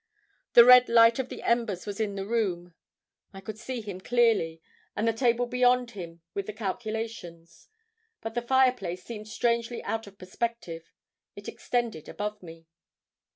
The red light of the embers was in the room. I could see him clearly, and the table beyond him with the calculations; but the fireplace seemed strangely out of perspective—it extended above me.